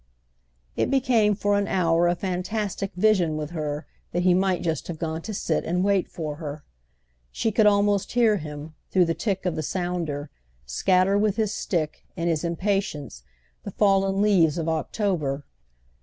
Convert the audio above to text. It became for an hour a fantastic vision with her that he might just have gone to sit and wait for her. She could almost hear him, through the tick of the sounder, scatter with his stick, in his impatience, the fallen leaves of October.